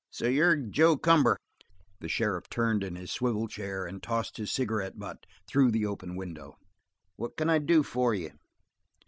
"So you're Joe Cumber?" The sheriff turned in his swivel chair and tossed his cigarette butt through the open window. "What can I do for you?"